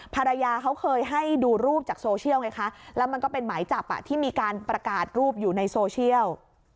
ภรรยาเขาเคยให้ดูรูปจากโซเชียลไงคะแล้วมันก็เป็นหมายจับที่มีการประกาศรูปอยู่ในโซเชียล